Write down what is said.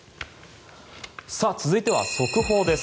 続いては、速報です。